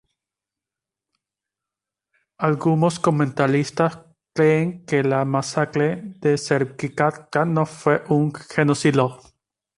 Algunos comentaristas creen que la masacre de Srebrenica no fue un genocidio.